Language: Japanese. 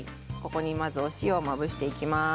ここにまず塩をまぶしていきます。